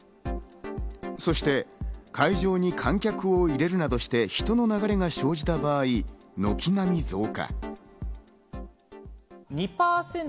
そして会場に観客を入れるなどして人の流れが生じた場合、軒並み増加。